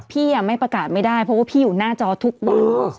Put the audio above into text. พี่ไม่ประกาศไม่ได้เพราะว่าพี่อยู่หน้าจอทุกวัน